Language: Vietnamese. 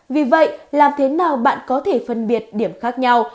vì vậy làm thế nào bạn có thể phân biệt điểm khác nhau